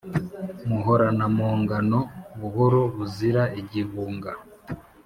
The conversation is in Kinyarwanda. Muhoranampongano Buhoro buzira igihunga